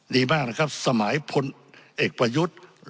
ดีมากนะครับสมัยพลเอกประยุทธ์